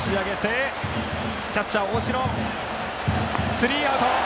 スリーアウト。